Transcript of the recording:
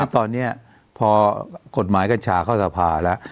ตอนนี้พอกฎหมายกัญชาเข้าสภาแล้ว